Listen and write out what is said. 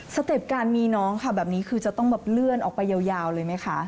สเต็ปการณ์มีน้องค่ะจะต้องเลื่อนออกไปยาวเลยไหมคะ